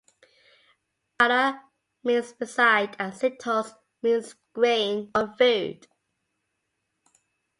'Para' means beside and 'sitos' means grain or food.